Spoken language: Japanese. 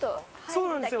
そうなんですよ。